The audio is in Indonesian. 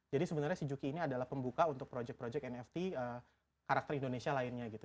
jadi sebenarnya si juki ini adalah pembuka untuk projek projek nft karakter indonesia lainnya gitu